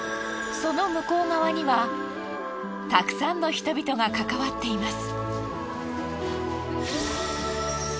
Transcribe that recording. その向こう側にはたくさんの人々が関わっています。